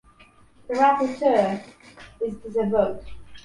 The rapporteur is disavowed.